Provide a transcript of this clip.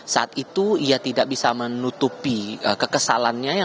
saat itu ia tidak bisa menutupi kekesalannya